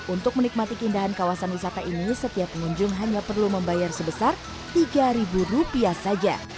untuk menikmati keindahan kawasan wisata ini setiap pengunjung hanya perlu membayar sebesar rp tiga saja